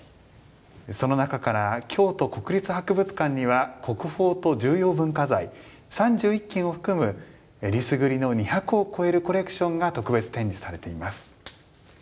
その中から京都国立博物館には国宝と重要文化財３１件を含む選りすぐりの２００をこえるコレクションが特別展示されています。